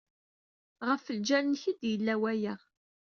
Ɣef ljal-nnek ay d-yella waya.